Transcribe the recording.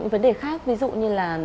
vấn đề khác ví dụ như là